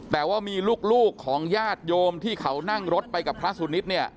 แต่ว่ามีลูกของญาติโยมที่เขานั่งรถไปกับพระสุนิทเนี่ย